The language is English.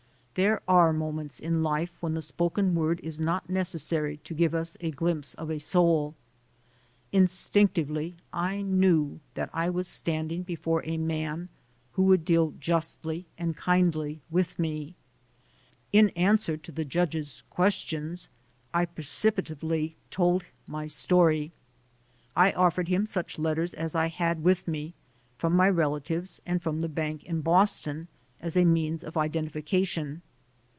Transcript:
There are moments in life when the spoken word is not necessary to give us a glimpse of a soul. In stinctively I knew that I was standing before a man who would deal justly and kindly with me. In answer to the judge's questions, I precipitately told my story. I offered him such letters as I had with me, from my relatives and from the bank in Boston, as a means of identification.